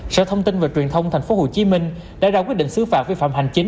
sở thông tin và truyền thông tp hcm đã ra quyết định xứ phạm vi phạm hành chính